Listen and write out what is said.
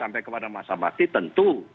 karena masa bakti tentu